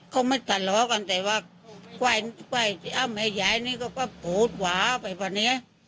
ก็ไม่ตลอกกันแต่ว่ากว่ายนี่เอาแม่ยายนี่ก็ปูดหวาไปป่ะเนี้ย